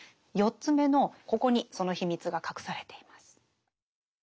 ４つ目のここにその秘密が隠されています。